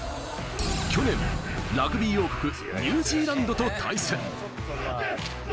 去年、ラグビー王国・ニュージーランドと対戦。